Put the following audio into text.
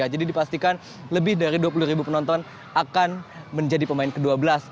jadi dipastikan lebih dari dua puluh penonton akan menjadi pemain kedua belas